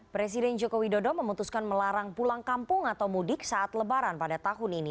presiden joko widodo memutuskan melarang pulang kampung atau mudik saat lebaran pada tahun ini